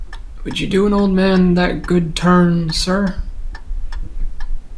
Would you do an old man that good turn, sir?